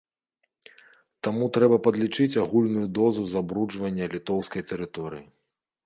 Таму трэба падлічыць агульную дозу забруджвання літоўскай тэрыторыі.